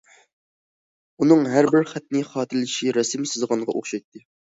ئۇنىڭ ھەر بىر خەتنى خاتىرىلىشى رەسىم سىزغانغا ئوخشايتتى.